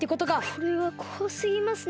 これはこわすぎますね。